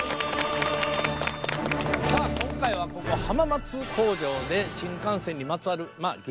さあ今回はここ浜松工場で新幹線にまつわる激